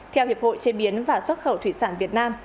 theo hiệp hội chế biến và xuất khẩu thủy sản việt nam